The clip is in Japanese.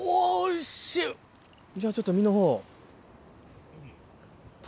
じゃあちょっと身のほう。